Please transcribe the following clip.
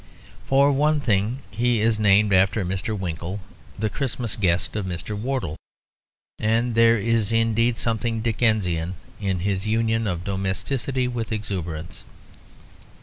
For one thing, he is named after Mr. Winkle, the Christmas guest of Mr. Wardle; and there is indeed something Dickensian in his union of domesticity with exuberance.